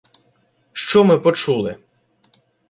Що ми почули?